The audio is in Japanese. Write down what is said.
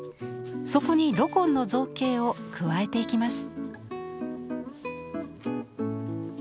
そこにロコンの造形を加えていきます。